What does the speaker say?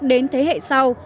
đến thế hệ sau